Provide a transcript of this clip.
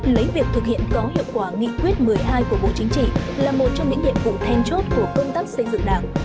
lấy việc thực hiện có hiệu quả nghị quyết một mươi hai của bộ chính trị là một trong những nhiệm vụ then chốt của công tác xây dựng đảng